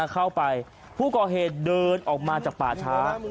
เข้าไปผู้ก่อเหตุเดินออกมาจากป่าช้า